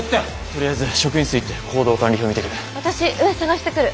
とりあえず職員室行って行動管理表見てくる。